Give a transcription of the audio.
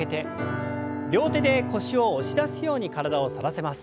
両手で腰を押し出すように体を反らせます。